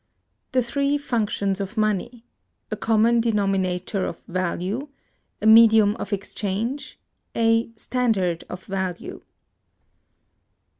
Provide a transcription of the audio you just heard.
The three functions of Money—a Common Denominator of Value, a Medium of Exchange, a "Standard of Value".